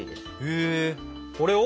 へーこれを？